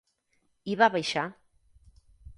I va baixar.